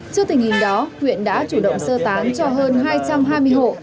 trước tình hình đó huyện đã chủ động sơ tán cho hơn hai trăm hai mươi hộ